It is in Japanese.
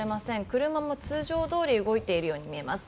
車も通常どおり動いているように見えます。